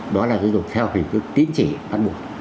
đó là giáo dục theo hình thức tín chỉ bắt buộc